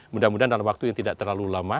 mudah mudahan dalam waktu yang tidak terlalu lama